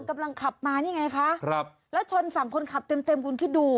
กำลังขับมานี่ไงคะครับแล้วชนฝั่งคนขับเต็มเต็มคุณคิดดู